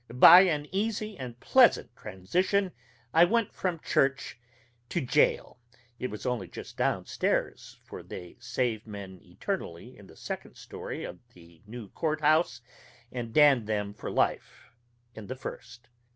By an easy and pleasant transition, I went from church to jail. It was only just down stairs for they save men eternally in the second story of the new court house, and damn them for life in the first.